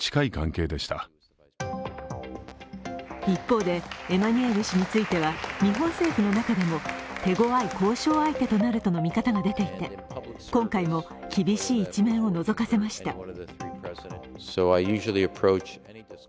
一方でエマニュエル氏については日本政府の中でも手ごわい交渉相手となるとの見方が出ていて、今回も厳しい一面をのぞかせました。